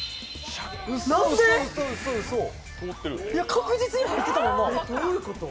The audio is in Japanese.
確実に入ってたもんな。